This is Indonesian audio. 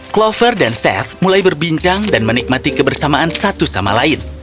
clover dan set mulai berbincang dan menikmati kebersamaan satu sama lain